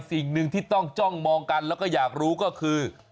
สิ่งหนึ่งที่ต้องจ้องมองกันแล้วก็อยากรู้ก็คือ